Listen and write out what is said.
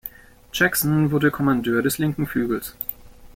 Jackson wurde Kommandeur des linken Flügels.